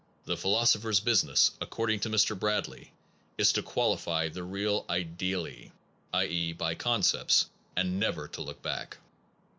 The philosopher s business, according to Mr. Brad ley, is to qualify the real * ideally (i. e. by con cepts), and never to look back.